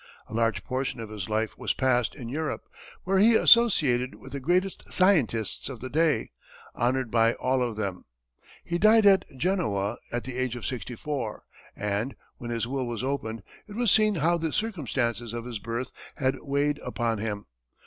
A large portion of his life was passed in Europe, where he associated with the greatest scientists of the day, honored by all of them. He died at Genoa at the age of sixty four, and, when his will was opened, it was seen how the circumstances of his birth had weighed upon him.